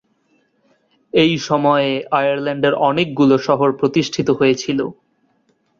এই সময়ে আয়ারল্যান্ডের অনেকগুলো শহর প্রতিষ্ঠিত হয়েছিল।